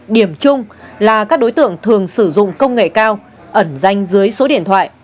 điểm chung là các đối tượng thường sử dụng công nghệ cao ẩn danh dưới số điện thoại